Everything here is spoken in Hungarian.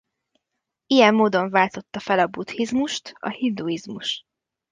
Ilyen módon váltotta fel a buddhizmust a hinduizmus.